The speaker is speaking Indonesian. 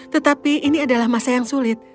tetapi ini adalah masa yang sulit